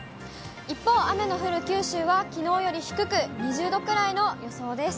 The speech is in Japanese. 一方、雨の降る九州はきのうより低く、２０度くらいの予想です。